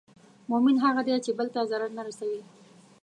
مؤمن هغه دی چې بل ته ضرر نه رسوي.